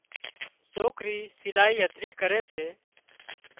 سوڪرِي سلائي هڌري ڪري سي